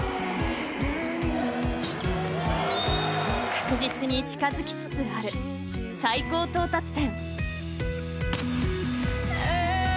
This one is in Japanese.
［確実に近づきつつある最高到達点］